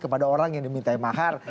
kepada orang yang dimintai mahar